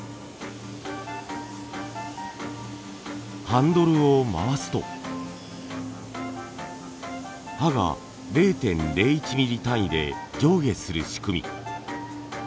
ハンドルを回すと刃が０．０１ミリ単位で上下する仕組み。